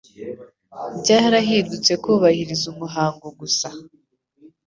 byarahindutse kubahiriza umuhango gusa